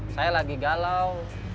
saya lagi galau